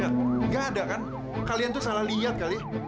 nggak ada kan kalian tuh salah lihat kali ya